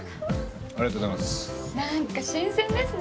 ありがとうございます。